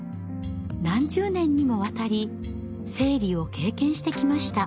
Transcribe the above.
何十年にもわたり生理を経験してきました。